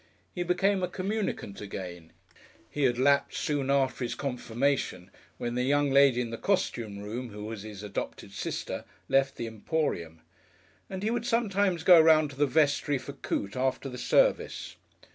He became a communicant again he had lapsed soon after his confirmation when the young lady in the costume room, who was his adopted sister, left the Emporium and he would sometimes go around to the Vestry for Coote after the service.